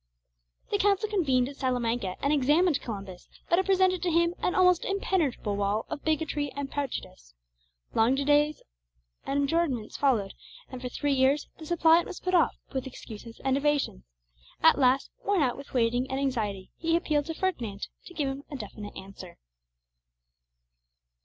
The council convened at Salamanca and examined Columbus; but it presented to him an almost impenetrable wall of bigotry and prejudice. Long delays and adjournments followed; and for three years the suppliant was put off with excuses and evasions. At last, worn out with waiting and anxiety, he appealed to Ferdinand to give him a definite answer.